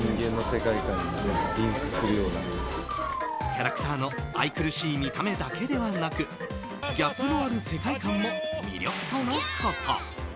キャラクターの愛くるしい見た目だけではなくギャップのある世界観も魅力とのこと。